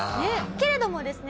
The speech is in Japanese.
けれどもですね